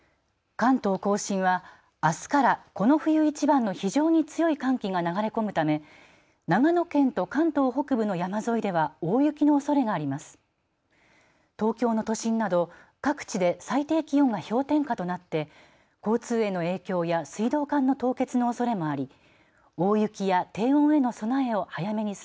関東甲信はあすからこの冬いちばんの非常に強い寒気が流れ込むため長野県と関東北部の山沿いでは大雪のおそれがあります。